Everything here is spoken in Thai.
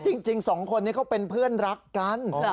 จริงสองคนนี้เขาเป็นเพื่อนรักกัน